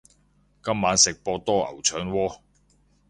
今晚食博多牛腸鍋